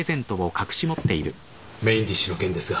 メインディッシュの件ですが。